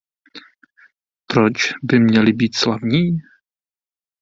Proč by měli být slavní?